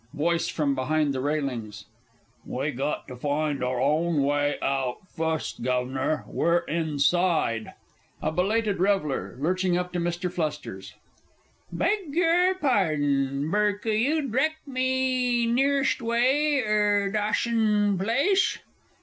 VOICE FROM BEHIND THE RAILINGS. We got to find our own way out fust, Guv'nor. We're inside! A BELATED REVELLER (lurching up to MR. F.) Beg your pardon, bur cou' you dreck me nearesht way er Dawshon Plashe?